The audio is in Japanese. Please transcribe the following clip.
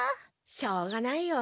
しょうがないよ。